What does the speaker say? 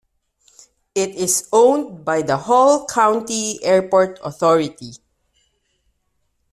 It is owned by the Hall County Airport Authority.